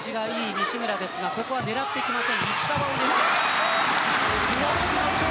西村ですがここは狙っていきます。